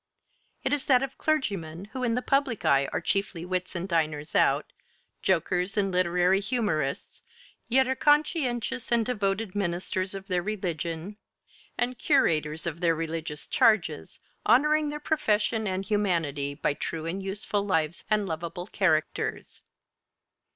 It is that of clergymen who in the public eye are chiefly wits and diners out, jokers and literary humorists, yet are conscientious and devoted ministers of their religion and curators of their religious charges, honoring their profession and humanity by true and useful lives and lovable characters.